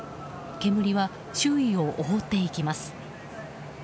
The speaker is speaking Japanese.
煙は周囲を覆っていきます。